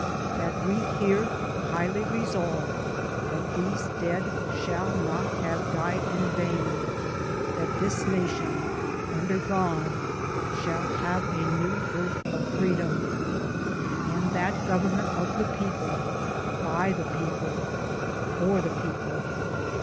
.. that we here highly resolve that these dead shall not have died in vain. .. that this nation, under God, shall have a new birth of freedom. .. and that government of the people. . .by the people. . .for the people.